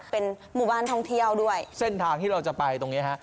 เป็นหมู่บ้านท่องเที่ยวด้วยเส้นทางที่เราจะไปตรงเนี้ยฮะ